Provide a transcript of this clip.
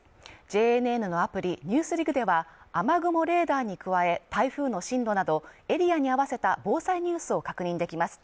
ＪＮＮのアプリ「ＮＥＷＳＤＩＧ」では雨雲レーダーに加え、台風の進路などエリアに合わせた防災ニュースを確認できます。